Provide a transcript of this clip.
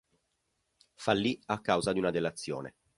Fallì a causa di una delazione.